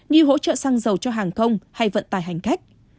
như hỗ trợ xăng dầu cho hàng không hay vận tài hành khách